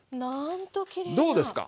どうですか？